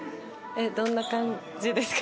どんな感じですか？